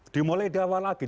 dimulai dari awal lagi